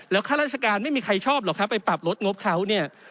ข้าราชการไม่มีใครชอบหรอกครับไปปรับลดงบเขาเนี่ย